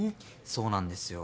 そうなんですよ。